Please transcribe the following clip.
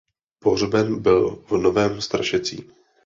Pohřben byl v Novém Strašecí.